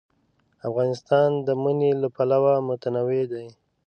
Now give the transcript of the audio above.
افغانستان د منی له پلوه متنوع دی.